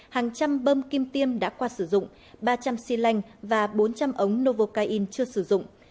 hàng trăm bơm kim tiêm đã qua sử dụng ba trăm linh xy lanh và bốn trăm linh ống nocaine chưa sử dụng